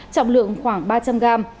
trọng lượng khoảng ba trăm linh gram